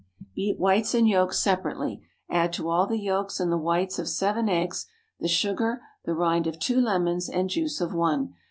Beat whites and yolks separately; add to all the yolks and the whites of seven eggs the sugar, the rind of two lemons, and juice of one.